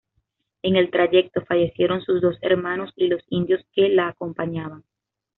En el trayecto, fallecieron sus dos hermanos y los indios que la acompañaban.